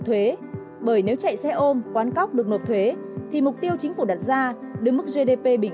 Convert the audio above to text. thuế bởi nếu chạy xe ôm quán cóc được nộp thuế thì mục tiêu chính phủ đặt ra đưa mức gdp bình